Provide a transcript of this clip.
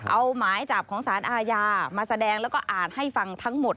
เอาหมายจับของสารอาญามาแสดงแล้วก็อ่านให้ฟังทั้งหมด